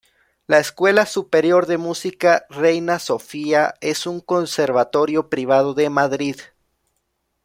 La Escuela Superior de Música Reina Sofía es un conservatorio privado de Madrid.